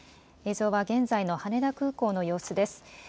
映像は現在の羽田空港の様子です。